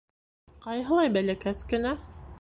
— Ҡайһылай бәләкәс кенә!